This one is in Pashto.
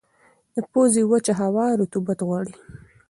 د پوزې وچه هوا رطوبت غواړي.